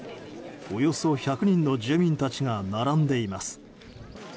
およそ１００人の住民たちが並んでいます。